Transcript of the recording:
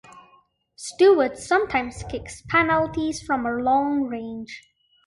Steward sometimes kicks penalties from long range.